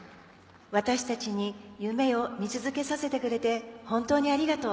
私たちに夢を見続けさせてくれて本当にありがとう。